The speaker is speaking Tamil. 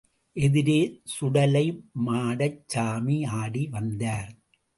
எதிரே சுடலைமாடச்சாமியாடி வந்தார்.